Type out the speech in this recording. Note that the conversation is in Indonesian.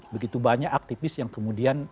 begitu banyak aktivis yang kemudian